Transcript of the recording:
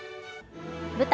舞台